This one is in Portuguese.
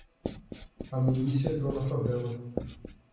A milícia entrou na favela.